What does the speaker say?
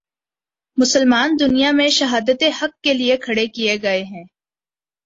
مسلمان دنیا میں شہادت حق کے لیے کھڑے کیے گئے ہیں۔